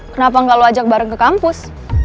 kenapa nggak lo ajak bareng ke kampus